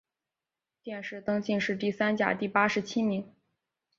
殿试登进士第三甲第八十七名。